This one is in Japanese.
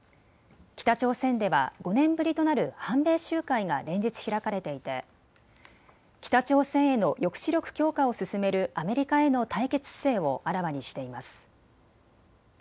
北朝鮮では５年ぶりとなる反米集会が連日開かれていて北朝鮮への抑止力強化を進めるアメリカへの対決姿勢をあらわにしています。